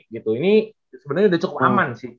gitu ini sebenernya udah cukup aman sih